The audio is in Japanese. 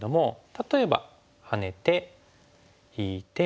例えばハネて引いて。